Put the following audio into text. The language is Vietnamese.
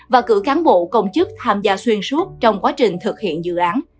và cử cán bộ công chức tham gia xuyên suốt trong quá trình thực hiện dự án